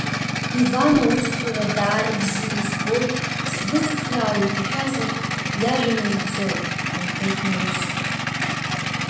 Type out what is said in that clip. Иван аусура даара бзиа избоит, сбыцхраауеит иҳәазар, иажәа наигӡоит, — лҳәеит Марусиа.